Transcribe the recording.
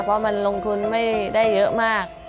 เพราะมันลงทุนไม่ได้เยอะมาก